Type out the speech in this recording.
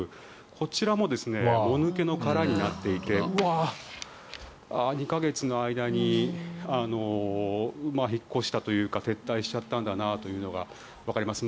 こちらももぬけの殻になっていて２か月の間に引っ越したというか撤退しちゃったんだなというのがわかります。